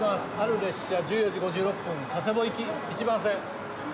「或る列車１４時５６分」「佐世保行１番線」